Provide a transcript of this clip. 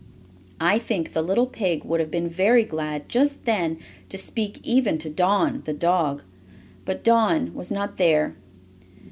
I think the little pig would have been very glad, just then, to speak even to Don, the dog. But Don was not there.